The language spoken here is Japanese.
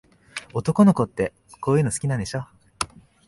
男の子って、こういうの好きなんでしょ。